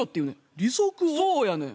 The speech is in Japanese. そうやねん。